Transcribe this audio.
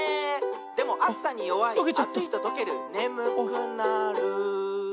「でもあつさによわいあついととけるねむくなる」